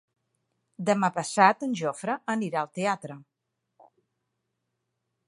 Demà passat en Jofre anirà al teatre.